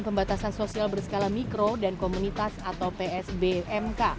pembatasan sosial berskala mikro dan komunitas atau psbmk